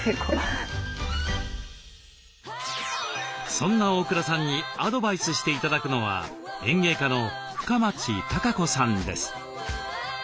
そんな大倉さんにアドバイスして頂くのは園芸家の深町貴子さんです。